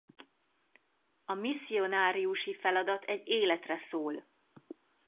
A misszionáriusi feladat egy életre szól.